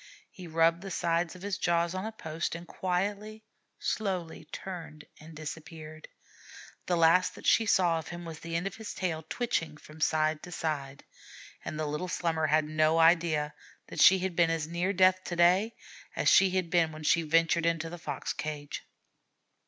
He rubbed the sides of his jaws on a post, and quietly, slowly turned and disappeared. The last that she saw of him was the end of his tail twitching from side to side; and the little Slummer had no idea that she had been as near death to day, as she had been when she ventured into the fox cage.